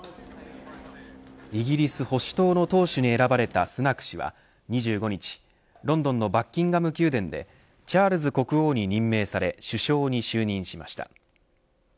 イギリス保守党の党首に選ばれたスナク氏は２５日ロンドンのバッキンガム宮殿でチャールズ国王に任命され首相に就任しました。